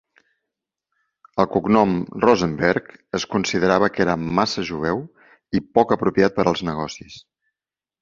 El cognom "Rosenberg" es considerava que era "massa jueu" i poc apropiat per als negocis.